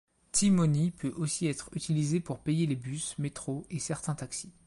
T-Money peut aussi être utilisée pour payer les bus, métros et certains taxis.